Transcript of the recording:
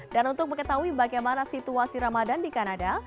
dan untuk mengetahui bagaimana situasi ramadan di kanada